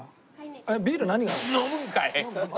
ビール何がある？